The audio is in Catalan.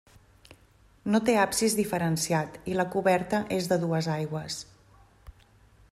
No té absis diferenciat i la coberta és de dues aigües.